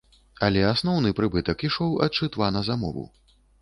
Але асноўны прыбытак ішоў ад шытва на замову.